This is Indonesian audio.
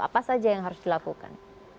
apa saja yang harus dilakukan